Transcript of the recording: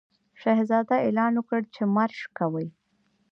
شهزاده اعلان وکړ چې مارش کوي.